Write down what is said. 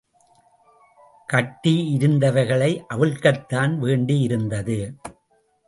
கட்டியிருந்தவைகளை அவிழ்க்கத்தான் வேண்டிருந்தது.